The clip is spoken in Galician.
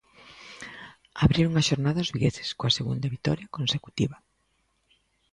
Abriron a xornada os vigueses coa segunda vitoria consecutiva.